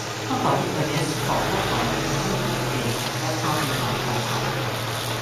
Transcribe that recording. มากกว่าที่เออร์เนสต์บอกพวกเขาถึงเรื่องของตัวเองและความผิดหวังของเขา